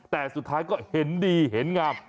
แต่สุดท้ายก็เห็นดีเห็นงาม